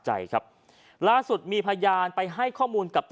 ในรถคันนึงเขาพุกอยู่ประมาณกี่โมงครับ๔๕นัท